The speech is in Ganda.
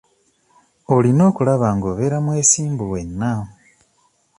Olina okulaba nga obeera mwesimbu wenna.